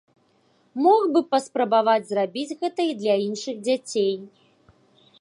Мог бы паспрабаваць зрабіць гэта і для іншых дзяцей.